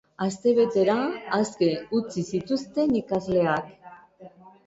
Astebetera aske utzi zituzten ikasleak.